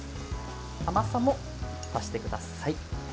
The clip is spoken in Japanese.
甘さも足してください。